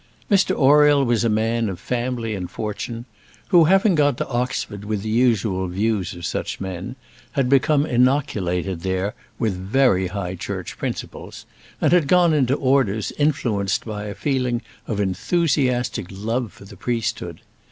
Mr Oriel was a man of family and fortune, who, having gone to Oxford with the usual views of such men, had become inoculated there with very High Church principles, and had gone into orders influenced by a feeling of enthusiastic love for the priesthood.